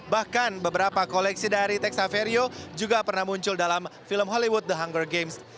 bahkan beberapa koleksi dari texaverio juga pernah muncul dalam film hollywood the hunger games